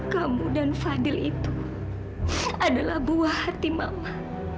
kamu dan fadil itu adalah buah hati mama